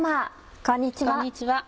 こんにちは。